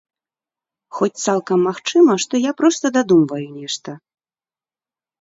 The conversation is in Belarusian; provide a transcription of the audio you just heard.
Хоць цалкам магчыма, што я проста дадумваю нешта.